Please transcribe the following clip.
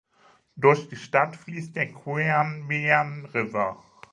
Durch die Stadt fließt der Queanbeyan River.